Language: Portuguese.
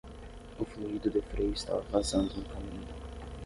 O fluido de freio estava vazando no caminho.